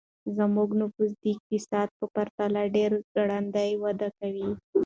زموږ نفوس د اقتصاد په پرتله ډېر ګړندی وده کوي.